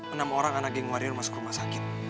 enam orang anak geng waria masuk rumah sakit